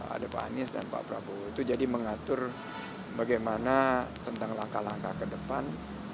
ada pak anies dan pak prabowo itu jadi mengatur bagaimana tentang langkah langkah ke depan